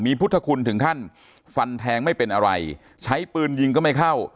พุทธคุณถึงขั้นฟันแทงไม่เป็นอะไรใช้ปืนยิงก็ไม่เข้า